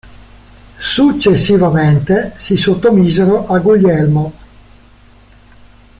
Successivamente, si sottomisero a Guglielmo.